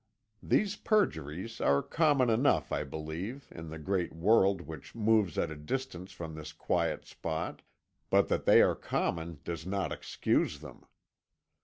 "These perjuries are common enough, I believe, in the great world which moves at a distance from this quiet spot, but that they are common does not excuse them.